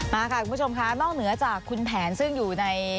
มาค่ะคุณผู้ชมค่ะนอกเหนือจากคุณแผนซึ่งอยู่ใน